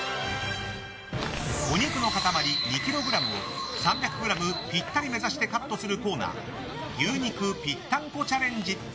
お肉の塊２ｋｇを３００ｇぴったり目指してカットするコーナー牛肉ぴったんこチャレンジ。